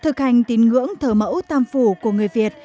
thực hành tín ngưỡng thờ mẫu tam phủ của người việt